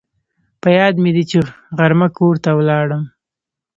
په یاد مې دي چې غرمه کور ته ولاړم